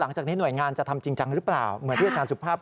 หลังจากนี้หน่วยงานจะทำจริงจังหรือเปล่าเหมือนที่อาจารย์สุภาพ